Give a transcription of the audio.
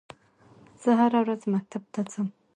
زه هره ورځ مکتب ته ځم